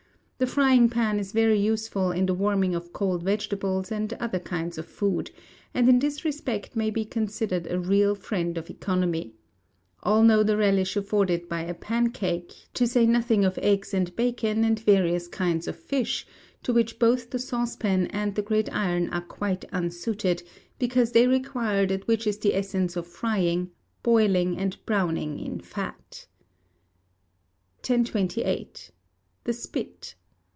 The Frying pan is very useful in the warming of cold vegetables and other kinds of food, and in this respect may be considered a real friend of economy. All know the relish afforded by a pancake, to say nothing of eggs and bacon, and various kinds of fish, to which both the Saucepan and the Gridiron are quite unsuited, because they require that which is the essence of frying, boiling and browning in fat. 1028. The Spit.